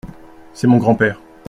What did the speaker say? C’est mon grand-père.